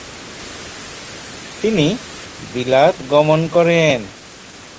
তিনি বিলাত গমন করেন।